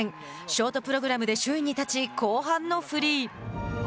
ショートプログラムで首位に立ち後半のフリー。